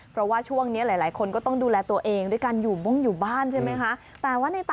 เพราะว่าช่วงนี้หลายคนก็ต้องดูแลตัวเองด้วยการอยู่มุ่งอยู่บ้านใช่ไหมคะ